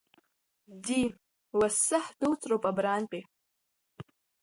Ди, лассы ҳдәылҵроуп абрантәи…